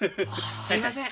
すいません。